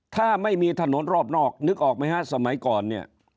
ถ้าไม่มีถนนรอบนอกนึกออกไหมฮะสมัยก่อนเนี่ย